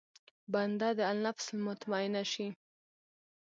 بنده دې النفس المطمئنه شي.